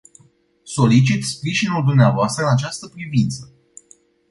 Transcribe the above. Solicit sprijinul dumneavoastră în această privință.